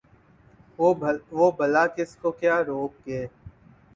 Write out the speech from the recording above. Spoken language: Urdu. وہ بلا کس کو کیا روک گے ۔